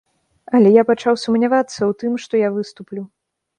Але я пачаў сумнявацца ў тым, што я выступлю.